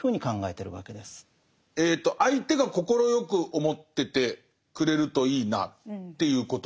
相手が快く思っててくれるといいなっていうことで。